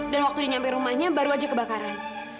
dan waktu dia nyampe rumahnya baru aja kebakaran